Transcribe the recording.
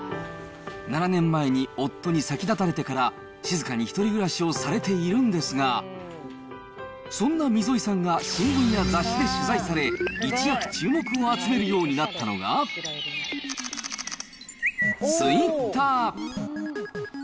７年前に夫に先立たれてから、静かに１人暮らしをされているんですが、そんな溝井さんが新聞や雑誌で取材され、一躍注目を集めるようになったのが、ツイッター。